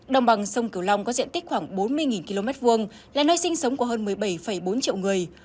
đồng bằng sông cửu long có diện tích khoảng bốn mươi km hai là nơi sinh sống của hơn một mươi bảy bốn triệu người